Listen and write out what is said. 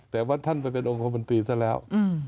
แต่ว่าท่านไปเป็นองคมนตรีซะแล้ว